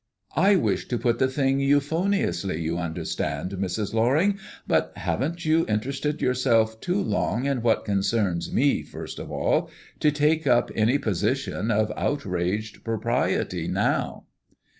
I wish to put the thing euphoniously, you understand, Mrs. Loring, but haven't you interested yourself too long in what concerns me first of all, to take up any position of outraged propriety now?"